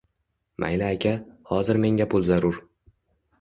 Mayli aka, hozir menga pul zarur